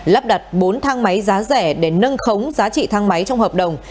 lắp đặt bốn thang máy giá rẻ để nâng khống giá trị thang máy trong hợp đồng